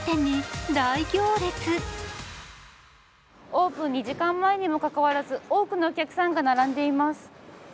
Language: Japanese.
オープン２時間前にも関わらず、多くのお客さんが並んでいます。